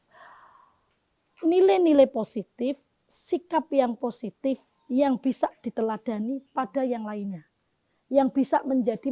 hai nilai nilai positif sikap yang positif yang bisa diteladani padahal lainnya yang bisa menjadi